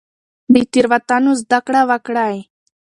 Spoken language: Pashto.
له تېروتنو زده کړه وکړئ.